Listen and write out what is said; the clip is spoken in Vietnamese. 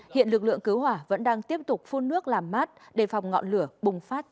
hiện lực lượng cứu hỏa vẫn đang tiếp tục phun nước làm mát để phòng ngọn lửa bùng phát trở lại